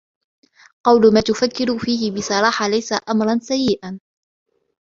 قول ما تفكر فيه بصراحة ليس أمرًا سيئًا.